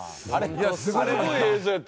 いやすごい映像やった。